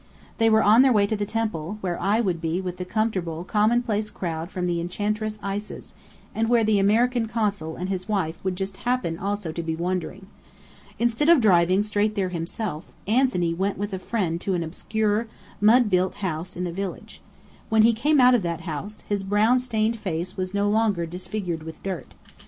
They were on their way to the temple, where I would be with the comfortable, commonplace crowd from the Enchantress Isis, and where the American Consul and his wife would just "happen" also to be wandering. Instead of driving straight there himself, Anthony went with a friend to an obscure, mud built house in the village. When he came out of that house, his brown stained face was no longer disfigured with dirt.